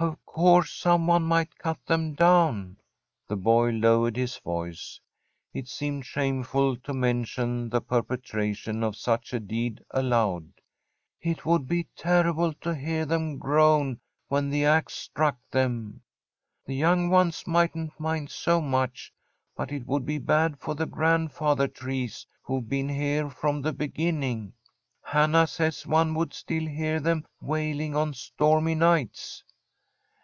'Of course some one might cut them down.' The boy lowered his voice; it seemed shameful to mention the perpetration of such a deed aloud. 'It would be terrible to hear them groan when the axe struck them. The young ones mightn't mind so much; but it would be bad for the grandfather trees who've been here from the beginning. Hannah says one would still hear them wailing on stormy nights.'